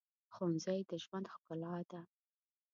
ښوونځی د ژوند ښکلا ده